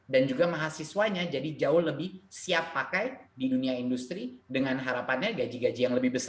dan juga mahasiswanya jadi jauh lebih siap pakai di dunia industri dengan harapannya gaji gaji yang lebih besar